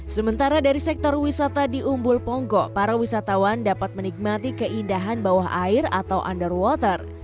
sementara dari sektor wisata di umbul ponggo para wisatawan dapat menikmati keindahan bawah air atau underwater